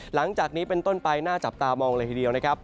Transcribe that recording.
หลังจากนี้เป็นต้นไปน่าจับตามองเลยทีเดียวนะครับ